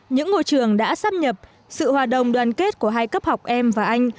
những ngôi trường đã xâm nhập sự hòa đồng đoàn kết của hai cấp học em và anh